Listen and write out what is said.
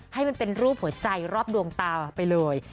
ให้มันเป็นรูปหัวใจรอบดวงตาไปเลย